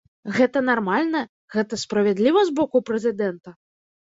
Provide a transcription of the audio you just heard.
Гэта нармальна, гэта справядліва з боку прэзідэнта?